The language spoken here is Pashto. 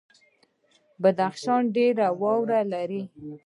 بدخشان ډیره واوره لري